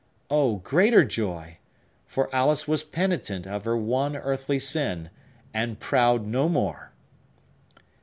Oh, greater joy! For Alice was penitent of her one earthly sin, and proud no more!